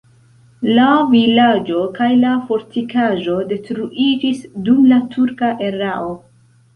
La vilaĝo kaj la fortikaĵo detruiĝis dum la turka erao.